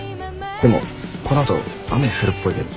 でもこの後雨降るっぽいけど。